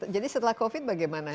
jadi setelah covid bagaimana